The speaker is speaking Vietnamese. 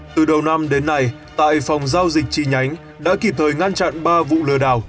từ đầu năm đến nay tại phòng giao dịch trị nhánh đã kịp thời ngăn chặn ba vụ lừa đảo